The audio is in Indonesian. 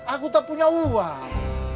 aku tak punya uang